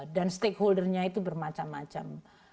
dan stakeholdernya itu bermacam macam